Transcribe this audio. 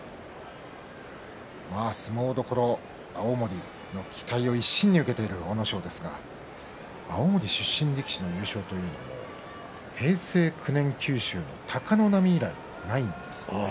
相撲どころ青森の期待を一身に受けている阿武咲ですが青森出身力士の優勝というのは平成９年、九州の貴ノ浪以来ないんです。